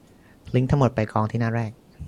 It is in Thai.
ลิงก์ทั้งหมดไปกองที่หน้าแรก